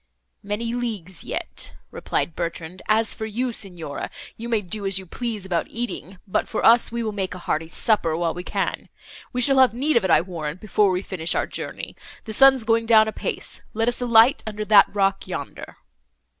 "Many leagues yet," replied Bertrand. "As for you, Signora, you may do as you please about eating, but for us, we will make a hearty supper, while we can. We shall have need of it, I warrant, before we finish our journey. The sun's going down apace; let us alight under that rock, yonder."